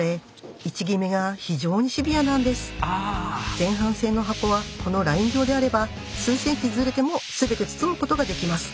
前半戦の箱はこのライン上であれば数センチずれても全て包むことができます。